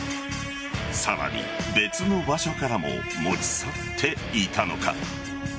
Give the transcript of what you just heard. さらに、別の場所からも持ち去っていたのか。